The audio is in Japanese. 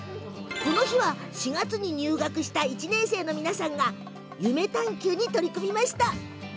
この日、４月に入学した１年生の皆さんが夢探究に取り組みました。